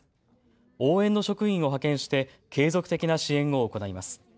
応援の職員を派遣して継続的な支援を行います。